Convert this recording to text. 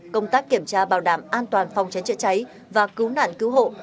công tác kiểm tra bảo đảm an toàn phòng chánh trị cháy và cứu nản cứu hộ